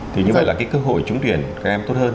thì như vậy là cái cơ hội trúng tuyển các em tốt hơn